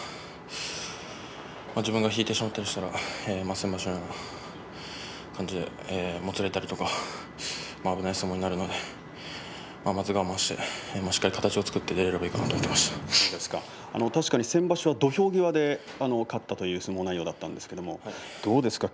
自分が引いてしまったらもつれたりとか危ない相撲になるのでまずは我慢してしっかり形を作って出れば確かに先場所は土俵際で勝ったという相撲内容だったんですがどうですか。